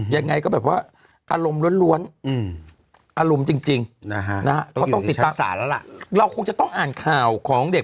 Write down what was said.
ยังไงก็แบบว่าอารมณ์ล้วนอารมณ์จริงนะฮะก็ต้องติดตามสารแล้วล่ะเราคงจะต้องอ่านข่าวของเด็ก